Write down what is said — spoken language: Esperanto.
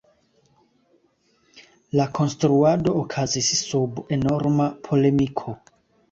La konstruado okazis sub enorma polemiko.